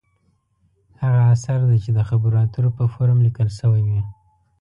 هغه اثر دی چې د خبرو اترو په فورم لیکل شوې وي.